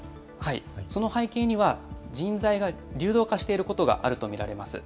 その背景には、人材が流動化していることがあると見られます。